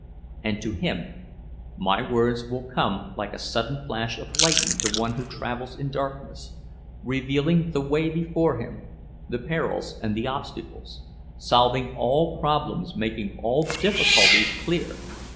And to him my words will come like a sudden flash of lightning to one who travels in darkness—revealing the way before him, the perils and the obstacles—solving all problems, making all difficulties clear!